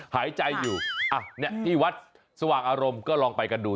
หายใจอยู่ที่วัดสว่างอารมณ์ก็ลองไปกันดู